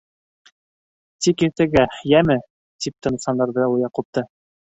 Тик иртәгә, йәме? - тип тынысландырҙы ул Яҡупты.